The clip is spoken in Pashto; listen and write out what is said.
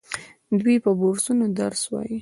دوی په بورسونو درس وايي.